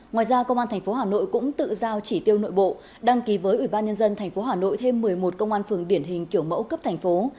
ngoài ra công an tp hà nội cũng tự giao chỉ tiêu nội bộ đăng ký với ủy ban nhân dân tp hà nội thêm một mươi một công an phường điển hình kiểu mẫu cấp thành phố